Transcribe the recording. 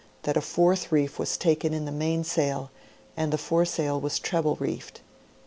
that a fourth reef was taken in the mainsail and. the f oresr il was treble reefed.